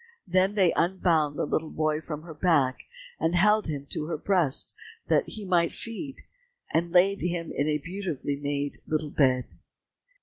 Then they unbound the little boy from her back, and held him to her breast that he might feed, and laid him in a beautifully made little bed.